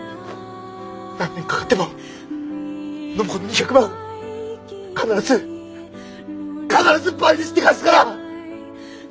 何年かかっても暢子の２００万必ず必ず倍にして返すから！